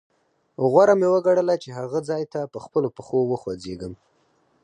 غوره مې وګڼله چې هغه ځاې ته په خپلو پښو وخوځېږم.